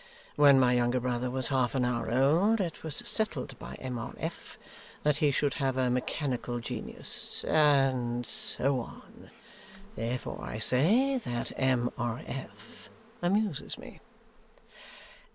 When my younger brother was half an hour old, it was settled by M. R. F. that he should have a mechanical genius. And so on. Therefore I say that M. R. F. amuses me.